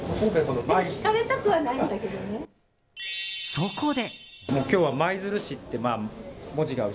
そこで。